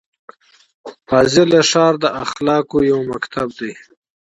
فاضله ښار د اخلاقو یو مکتب دی.